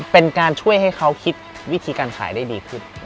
เป็นการช่วยให้เขาคิดวิธีการขายได้ดีขึ้น